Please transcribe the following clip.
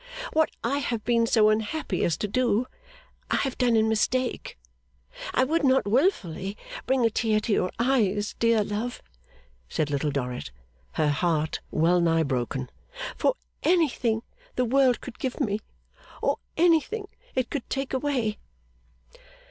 What I have been so unhappy as to do, I have done in mistake. I would not wilfully bring a tear to your eyes, dear love!' said Little Dorrit, her heart well nigh broken, 'for anything the world could give me, or anything it could take away.